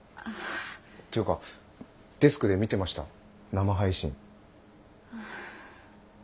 ていうかデスクで見てました生配信。